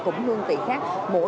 cũng như các cô